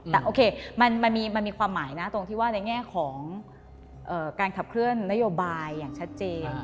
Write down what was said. แต่โอเคมันมีความหมายนะตรงที่ว่าในแง่ของการขับเคลื่อนนโยบายอย่างชัดเจน